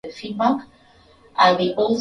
Kuchukua kutoka kwa mwandishi wa kusafiri safari